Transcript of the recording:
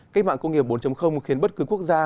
cách mạng công nghiệp bốn khiến bất cứ quốc gia